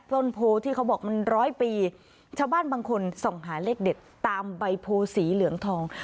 ต้นโพที่เขาบอกมันร้อยปีชาวบ้านบางคนส่องหาเลขเด็ดตามใบโพสีเหลืองทอง